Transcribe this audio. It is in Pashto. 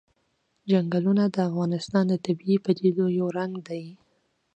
چنګلونه د افغانستان د طبیعي پدیدو یو رنګ دی.